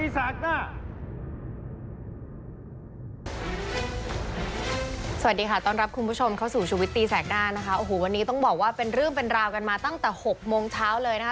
สวัสดีค่ะต้อนรับคุณผู้ชมเข้าสู่ชูวิตตีแสกหน้านะคะโอ้โหวันนี้ต้องบอกว่าเป็นเรื่องเป็นราวกันมาตั้งแต่๖โมงเช้าเลยนะคะ